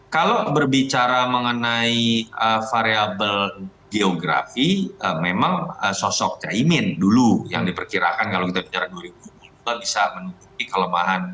kalau berbicara mengenai variable geografi memang sosok caimin dulu yang diperkirakan kalau kita bicara dua ribu dua puluh dua bisa menutupi kelemahan